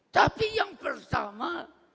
tapi yang pertama